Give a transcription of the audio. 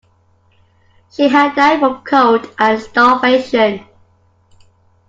She had died from cold and starvation.